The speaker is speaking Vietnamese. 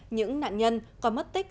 những nạn nhân có mất tích